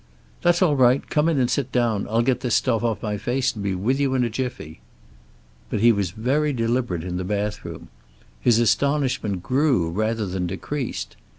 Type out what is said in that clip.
"That's all right. Come in and sit down. I'll get this stuff off my face and be with you in a jiffy." But he was very deliberate in the bathroom. His astonishment grew, rather than decreased.